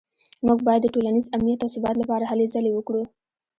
موږ باید د ټولنیز امنیت او ثبات لپاره هلې ځلې وکړو